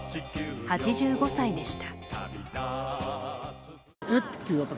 ８５歳でした。